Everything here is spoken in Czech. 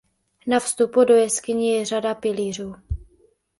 Na vstupu do jeskyně je řada pilířů.